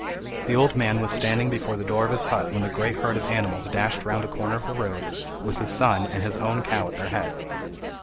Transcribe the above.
The old man was standing before the door of his hut when the great herd of animals dashed round a corner of the road, with his son and his own cow at their head.